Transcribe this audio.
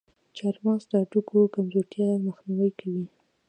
چارمغز د هډوکو کمزورتیا مخنیوی کوي.